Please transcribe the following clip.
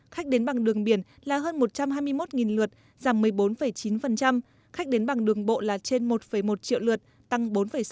khách đến bằng đường biển là hơn một trăm hai mươi một lượt giảm một mươi bốn chín khách đến bằng đường bộ là trên một một triệu lượt tăng bốn sáu